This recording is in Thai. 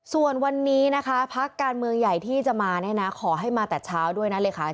ส่วนวันนี้นะคะพักการเมืองใหญ่ที่จะมาเนี่ยนะขอให้มาแต่เช้าด้วยนะเลขา